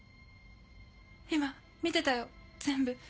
今見てたよ全部。